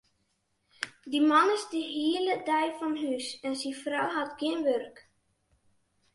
Dy man is de hiele dei fan hús en syn frou hat gjin wurk.